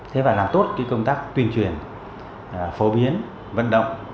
thế và làm tốt cái công tác tuyên truyền phổ biến vận động